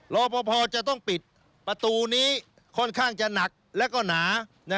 รอพอจะต้องปิดประตูนี้ค่อนข้างจะหนักและก็หนา